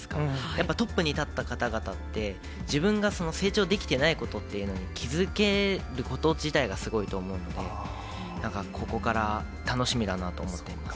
やっぱトップに立った方々って、自分が成長できてないことっていうのに気付けること自体がすごいと思うので、なんかここから楽しみだなと思っています。